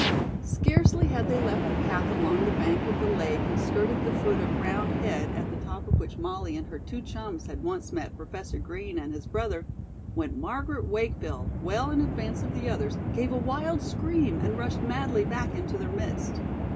Scarcely had they left the path along the bank of the lake and skirted the foot of "Round Head," at the top of which Molly and her two chums had once met Professor Green and his brother, when Margaret Wakefield, well in advance of the others, gave a wild scream and rushed madly back into their midst.